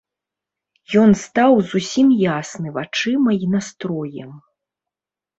Ён стаў зусім ясны вачыма і настроем.